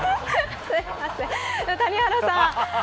谷原さん